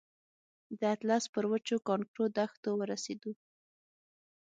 د اطلس پر وچو کانکرو دښتو ورسېدو.